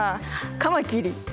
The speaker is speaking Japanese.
カマキリ！